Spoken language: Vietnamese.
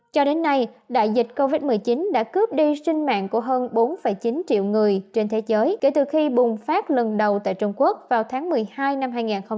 cho đến nay đại dịch covid một mươi chín đã cướp đi sinh mạng của hơn bốn chín triệu người trên thế giới kể từ khi bùng phát lần đầu tại trung quốc vào tháng một mươi hai năm hai nghìn hai mươi